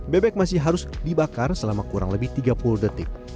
bebek masih harus dibakar selama kurang lebih tiga puluh detik